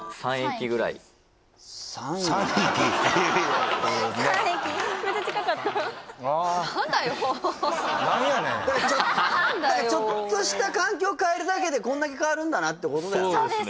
３駅・めっちゃ近かったちょっとした環境を変えるだけでこんだけ変わるんだなってことだよね